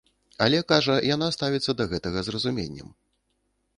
Але, кажа, яна ставіцца да гэтага з разуменнем.